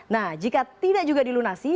nah jika tidak juga dilunasi